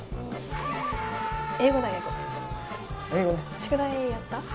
宿題やった？